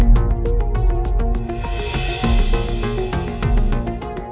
dan perempuan itu adalah